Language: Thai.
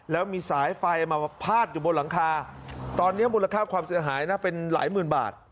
แล้วมีสายไฟมาพาดอยู่บนหลังคาตอนนี้มูลค่าความเสียหายนะเป็นหลายหมื่นบาท